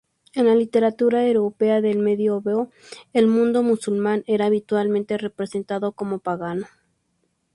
En la literatura europea del medioevo, el mundo musulmán era habitualmente representado como pagano.